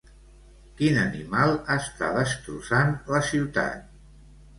Quin animal està destrossant la ciutat?